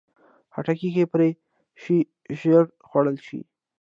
خټکی که پرې شي، ژر خوړل شي.